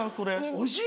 おいしい？